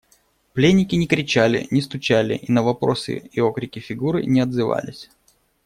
Пленники не кричали, не стучали и на вопросы и окрики Фигуры не отзывались.